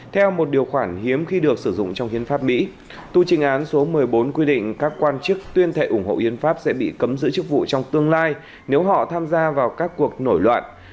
theo một điều khoản hiếm khi được sử dụng trong hiến pháp mỹ tu trình án số một mươi bốn quy định các quan chức tuyên thệ ủng hộ hiến pháp sẽ bị cấm giữ chức vụ trong tương lai nếu họ tham gia vào các cuộc nổi loạn